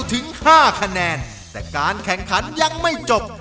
แต่การแข่งขันยังไม่จบ